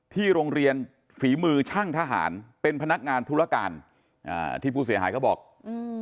โรงเรียนฝีมือช่างทหารเป็นพนักงานธุรการอ่าที่ผู้เสียหายเขาบอกอืม